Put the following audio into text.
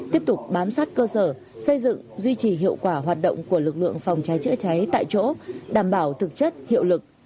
tiếp tục bám sát cơ sở xây dựng duy trì hiệu quả hoạt động của lực lượng phòng cháy chữa cháy tại chỗ đảm bảo thực chất hiệu lực